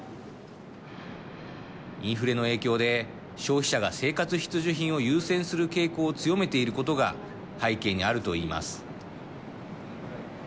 インフレの影響で消費者が生活必需品を優先する傾向を強めていることが背景にあると言います。